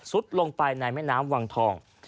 ลงไปในแม่น้ำวังทอง